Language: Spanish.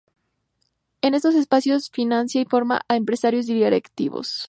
En estos espacios financia y forma a empresarios y directivos.